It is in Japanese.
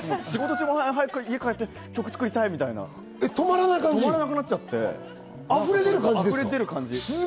早く家帰って曲作りたいみたいな止まらなくなっちゃって溢れ出る感じ。